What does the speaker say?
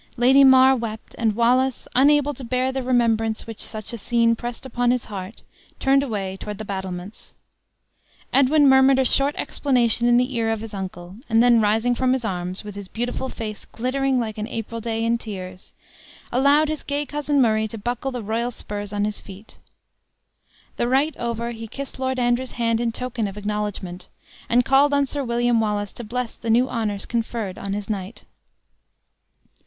Lady Mar wept, and Wallace, unable to bear the remembrance which such a scene pressed upon his heart, turned away toward the battlements. Edwin murmured a short explanation in the ear of his uncle; and then rising from his arms, with his beautiful face glittering like an April day in tears, allowed his gay cousin Murray to buckle the royal spurs on his feet. The rite over, he kissed Lord Andrew's hand in token of acknowledgment; and called on Sir William Wallace to bless the new honors conferred on his knight.